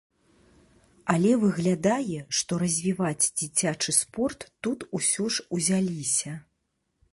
Але выглядае, што развіваць дзіцячы спорт тут усё ж узяліся.